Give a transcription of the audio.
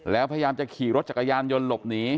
แล้วพยายามจะขี่รถจักรยานยนต์หลบหนี